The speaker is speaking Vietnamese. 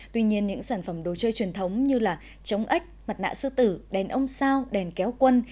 tuy nhiên những sản phẩm đồ chơi truyền thống như là trống ếch mặt nạ sư tử đèn ông sao đèn kéo quân